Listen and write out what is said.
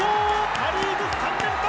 パ・リーグ３連覇！